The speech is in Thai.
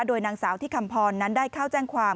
โดยนางสาวที่คำพรนั้นได้เข้าแจ้งความ